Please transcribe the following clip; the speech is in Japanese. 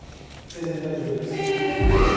全然大丈夫です。